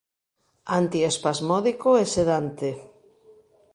Antiespasmódico e sedante.